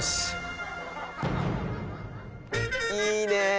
いいね！